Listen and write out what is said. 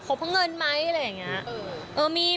ขบเพราะเงินไหมอะไรอย่างนี้